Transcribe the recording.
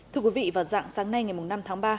thưa quý vị vào dạng sáng nay ngày năm tháng ba